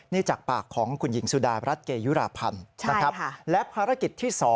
นี่จากปากของคุณหญิงสุดารัฐเกยุราพันธ์และภารกิจที่๒